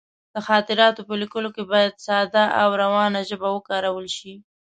د خاطراتو په لیکلو کې باید ساده او روانه ژبه وکارول شي.